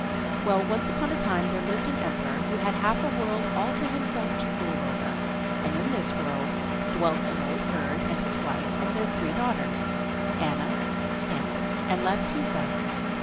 Well, once upon a time there lived an emperor who had half a world all to himself to rule over, and in this world dwelt an old herd and his wife and their three daughters, Anna, Stana, and Laptitza.